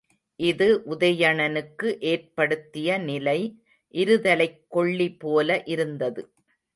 இது உதயணனக்கு ஏற்படுத்திய நிலை, இருதலைக் கொள்ளி போல இருந்தது.